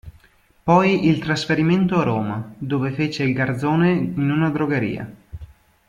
Poi il trasferimento a Roma, dove fece il garzone in una drogheria.